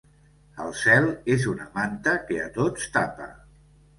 El cel és una manta que a tots tapa.